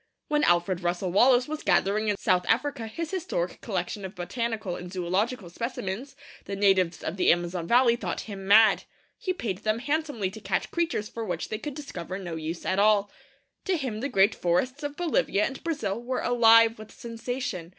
When Alfred Russel Wallace was gathering in South America his historic collection of botanical and zoological specimens, the natives of the Amazon Valley thought him mad. He paid them handsomely to catch creatures for which they could discover no use at all. To him the great forests of Bolivia and Brazil were alive with sensation.